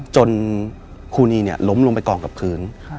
จนคู่นี้ล้มลงไปกรองกับพื้น